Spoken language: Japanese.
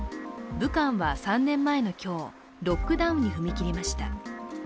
武漢は３年前の今日、ロックダウンに踏み切りました。